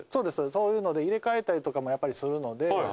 そういうので、入れ替えたりとかも、やっぱりするので。